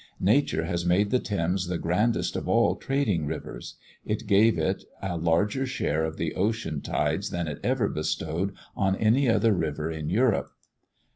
Nature has made the Thames the grandest of all trading rivers; it gave it a larger share of the ocean tides than it ever bestowed on any other river in Europe.